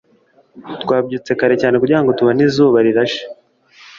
twabyutse kare cyane kugirango tubone izuba rirashe